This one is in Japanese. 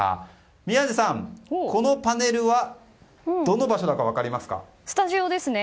宮司さん、このパネルはスタジオですね。